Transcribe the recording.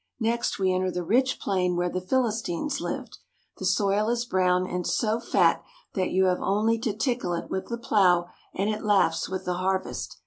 Next we enter the rich plain where the Philistines lived. The soil is brown and so fat that you have only to tickle it with the plough and it laughs with the harvest.